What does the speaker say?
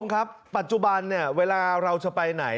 ขอร้องครับปัจจุบันเวลาเราจะไปไหน